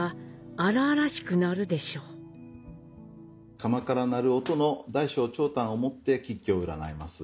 （釜から鳴る音の大小長短をもって吉凶を占います。